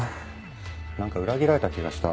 なんか裏切られた気がした。